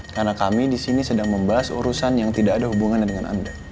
karena kami disini sedang membahas urusan yang tidak ada hubungannya dengan anda